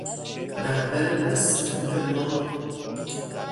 رهبرنستوه ما